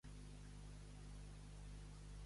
Què va ocórrer a prop de les Roques Sagrades?